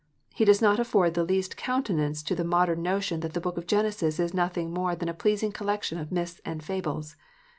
He does not afford the least counten ance to the modern notion that the book of Genesis is nothing more than a pleasing collection of myths and fables.